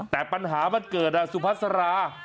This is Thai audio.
แต่ปัญหามันเกิดสุพัสรา